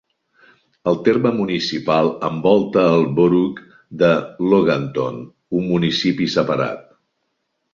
El terme municipal envolta el "borough" de Loganton, un municipi separat.